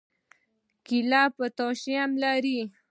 کیله پوټاشیم لري